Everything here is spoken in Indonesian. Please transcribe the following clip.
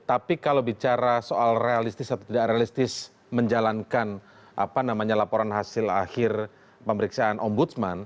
tapi kalau bicara soal realistis atau tidak realistis menjalankan laporan hasil akhir pemeriksaan ombudsman